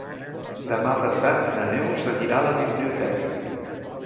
Demà passat na Neus anirà a la biblioteca.